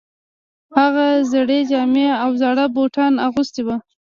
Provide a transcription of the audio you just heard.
هغه زړې جامې او زاړه بوټان اغوستي وو